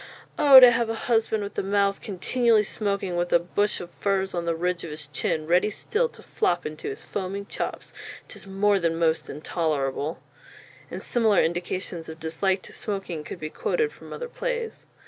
Oh, to have a husband with a mouth continually smoking, with a bush of furs on the ridge of his chin, readie still to flop into his foaming chops, 'tis more than most intolerable;" and similar indications of dislike to smoking could be quoted from other plays.